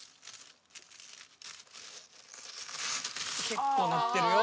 結構鳴ってるよ。